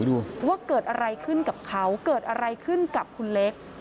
ดูว่าเกิดอะไรขึ้นกับเขาเกิดอะไรขึ้นกับคุณเล็ก